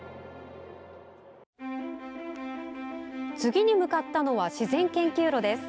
次に向かったのは自然研究路です。